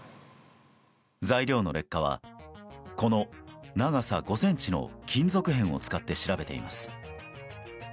材料の劣化は、この長さ５ｃｍの金属片を使って調べています。